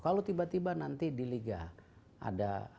kalau tiba tiba nanti di liga ada